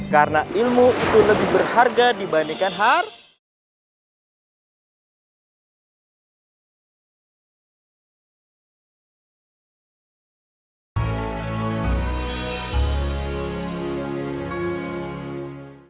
karena ilmu itu lebih berharga dibandingkan harga